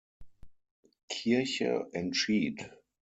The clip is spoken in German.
Kirche entschied.